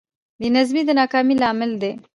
بېنظمي د ناکامۍ لامل دی.